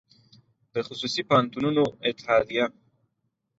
د خصوصي پوهنتونونو اتحادیه